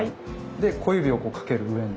で小指をこうかける上に。